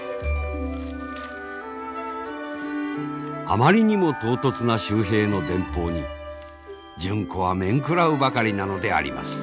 あまりにも唐突な秀平の電報に純子はめんくらうばかりなのであります。